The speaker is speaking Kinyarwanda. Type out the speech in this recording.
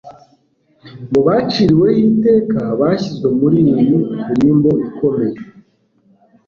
mubaciriweho iteka bashyizwe muri iyi limbo ikomeye